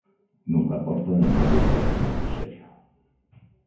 Nunca aporta ningún argumento serio.